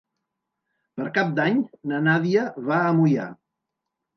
Per Cap d'Any na Nàdia va a Moià.